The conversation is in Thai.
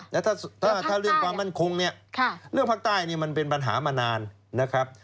แล้วถ้าเรื่องความมั่นคงเนี่ยเรื่องภาคใต้เนี่ยมันเป็นปัญหามานานนะครับ